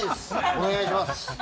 お願いします。